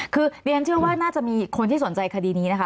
คือเรียนเชื่อว่าน่าจะมีคนที่สนใจคดีนี้นะคะ